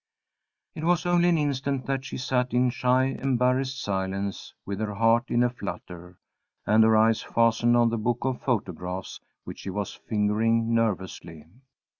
It was only an instant that she sat in shy, embarrassed silence, with her heart in a flutter, and her eyes fastened on the book of photographs which she was fingering nervously.